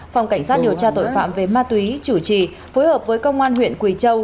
phòng cảnh sát điều tra tội phạm về ma túy chủ trì phối hợp với công an huyện quỳ châu